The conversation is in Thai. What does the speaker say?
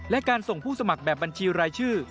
และการส่งผู้สมัครแบบบัญชีรายชื่อ